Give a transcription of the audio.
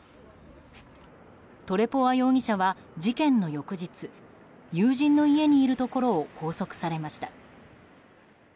トレポワ容疑者は事件の翌日友人の家にいるところを拘束されました。